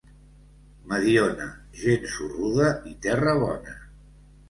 Mediona, gent sorruda i terra bona.